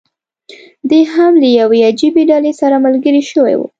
دی هم له یوې عجیبي ډلې سره ملګری شوی و.